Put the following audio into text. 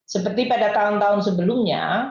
seperti pada tahun tahun sebelumnya